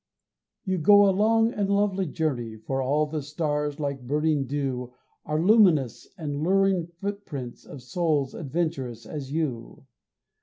S. You go a long and lovely journey, For all the stars, like burning dew, Are luminous and luring footprints Of souls adventurous as you.